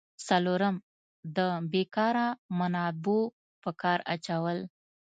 څلورم: د بیکاره منابعو په کار اچول.